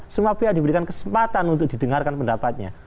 semua pihak diberikan kesempatan untuk didengarkan pendapatnya